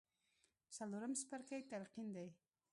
څلورم څپرکی تلقين دی.